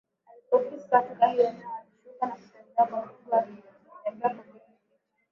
Alipofika katika hilo eneo alishuka na kutembea kwa miguu alitembea kwa kujificha